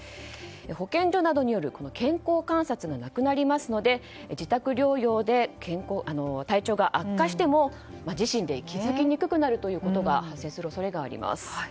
保健所などによる健康観察がなくなりますので自宅療養で体調が悪化しても自身で気づきにくくなるというのが発生する恐れがあります。